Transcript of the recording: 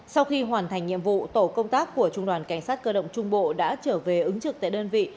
sau khi hoàn thành nhiệm vụ tổ công tác của trung đoàn cảnh sát cơ động trung bộ đã trở về ứng trực tại đơn vị